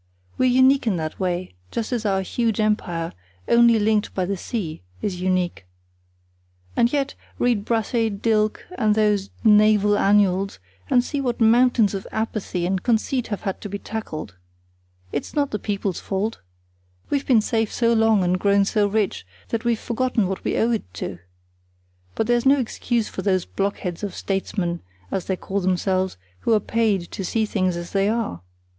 We're unique in that way, just as our huge empire, only linked by the sea, is unique. And yet, read Brassey, Dilke, and those Naval Annuals, and see what mountains of apathy and conceit have had to be tackled. It's not the people's fault. We've been safe so long, and grown so rich, that we've forgotten what we owe it to. But there's no excuse for those blockheads of statesmen, as they call themselves, who are paid to see things as they are.